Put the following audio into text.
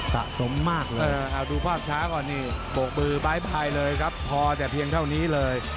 สะสมมากเลยเอาดูภาพช้าก่อนนี่โบกมือบ๊ายบายเลยครับพอแต่เพียงเท่านี้เลย